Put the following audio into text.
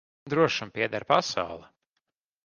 Drošam pieder pasaule.